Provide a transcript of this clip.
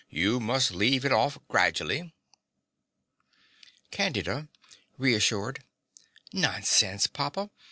You must leave it off grajally. CANDIDA (reassured). Nonsense, papa.